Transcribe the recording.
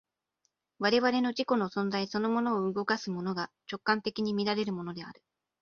我々の自己の存在そのものを動かすものが、直観的に見られるものである。